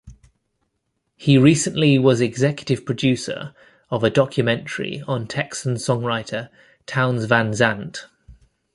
He recently was executive producer of a documentary on Texan songwriter Townes Van Zandt.